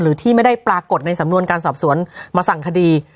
ที่ไม่ได้ปรากฏในสำนวนการสอบสวนมาสั่งคดี